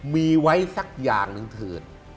มีไว้สักอย่างหนึ่งเถิด